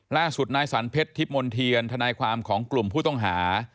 ล่าสุดนายสรรเพชรทิพย์มนเทียนทนายความของกลุ่มผู้ต้องหา